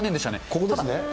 ここですね。